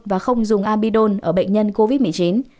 và không dùng amidon ở bệnh nhân covid một mươi chín